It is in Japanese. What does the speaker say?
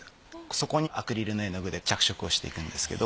そこにアクリルの絵の具で着色をしていくんですけど。